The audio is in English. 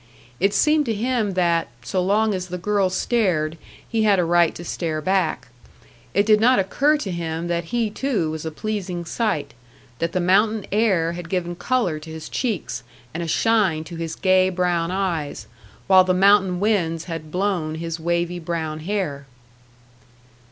It seemed to him that, so long as the girl stared, he had a right to stare back. It did not occur to him that he too was a pleasing sight that the mountain air had given colour to his cheeks and a shine to his gay brown eyes, while the mountain winds had blown his wavy brown hair.